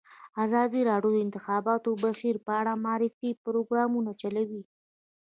ازادي راډیو د د انتخاباتو بهیر په اړه د معارفې پروګرامونه چلولي.